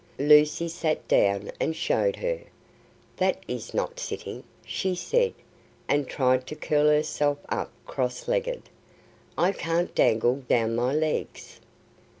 Lucy sat down and showed her. "That is not sitting," she said, and tried to curl herself up cross legged; "I can't dangle down my legs."